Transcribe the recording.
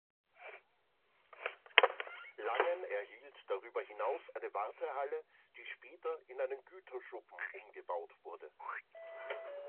Langen erhielt darüber hinaus eine Wartehalle, die später in einen Güterschuppen umgebaut wurde.